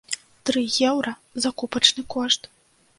Тры еўра закупачны кошт!